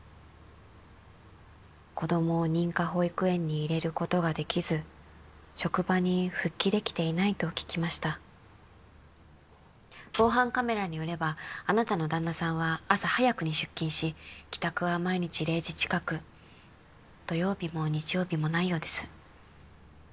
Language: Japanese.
子供を認可保育園に入れることができず職場に復帰できていないと聞きました防犯カメラによればあなたの旦那さんは朝早くに出勤し帰宅は毎日０時ちかく土曜日も日曜日もないようです